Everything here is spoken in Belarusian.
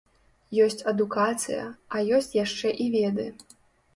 Ёсць адукацыя, а ёсць яшчэ і веды.